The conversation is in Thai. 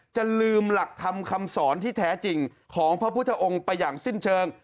จะลืมหลักธรรมคำสอนที่แท้จริงของพระพุทธองค์ไปอย่างสิ้นเชิง